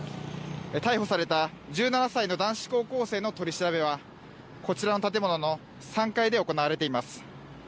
逮捕された１７歳の男子高校生の取り調べはこちらの建物の３階で行われています。